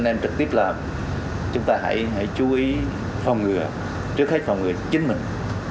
anh em trực tiếp là chúng ta hãy chú ý phòng ngừa trước khách phòng ngừa chính mình